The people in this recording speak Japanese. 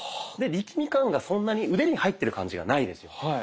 で力み感がそんなに腕に入ってる感じがないですよね。